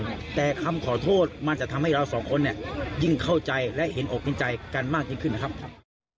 แต่คำขอโทษมันจะทำให้เราสองคนเนี่ยยิ่งเข้าใจและเห็นอกเห็นใจกันมากยิ่งขึ้นนะครับครับ